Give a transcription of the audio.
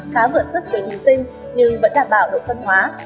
khá vượt sức với thí sinh nhưng vẫn đảm bảo độ phân hóa